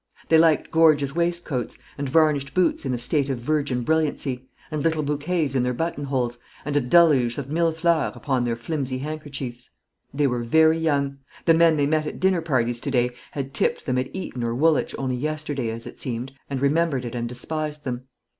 They liked gorgeous waistcoats; and varnished boots in a state of virgin brilliancy; and little bouquets in their button holes; and a deluge of millefleurs upon their flimsy handkerchiefs. They were very young. The men they met at dinner parties to day had tipped them at Eton or Woolwich only yesterday, as it seemed, and remembered it and despised them.